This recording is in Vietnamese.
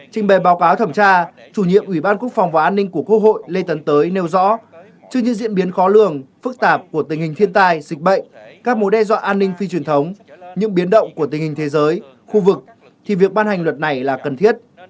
trình bày báo cáo thẩm tra chủ nhiệm ủy ban quốc phòng và an ninh của quốc hội lê tấn tới nêu rõ trước những diễn biến khó lường phức tạp của tình hình thiên tai dịch bệnh các mối đe dọa an ninh phi truyền thống những biến động của tình hình thế giới khu vực thì việc ban hành luật này là cần thiết